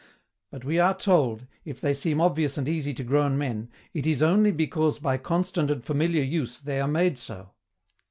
But, we are told, if they seem obvious and easy to grown men, IT IS ONLY BECAUSE BY CONSTANT AND FAMILIAR USE THEY ARE MADE SO.